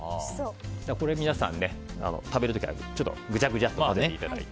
これ、皆さん食べる時はぐちゃぐちゃと混ぜていただいて。